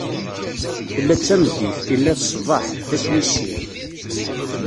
Tella-d tmeddit, illa-d ṣṣbeḥ: d ass wis sin.